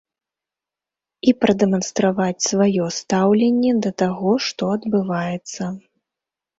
І прадэманстраваць сваё стаўленне да таго, што адбываецца.